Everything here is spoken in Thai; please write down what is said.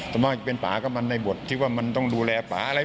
ส่วนมากจะเป็นป่าก็มันในบทที่ว่ามันต้องดูแลป่าอะไร